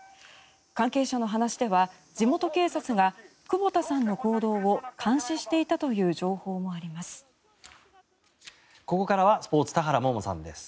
関係者の話では地元警察が久保田さんの行動を監視していたという情報もあります。